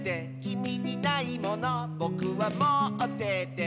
「きみにないものぼくはもってて」